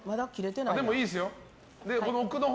でもいいですよ。